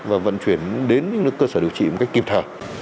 và vận chuyển đến những cơ sở điều trị một cách kịp thời